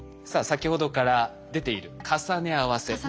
さあ先ほどから出ている重ね合わせ。